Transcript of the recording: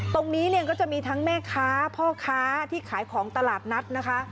ตรงนี้เนี่ยก็จะมีทั้งแม่ค้าพ่อค้าที่ขายของตลาดนัดนะคะ